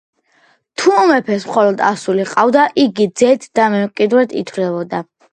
თუ მეფეს მხოლოდ ასული ჰყავდა, იგი „ძედ“ და მემკვიდრედ ითვლებოდა.